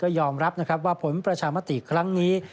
ก็ยอมรับว่าผลประชามาติครั้งนี้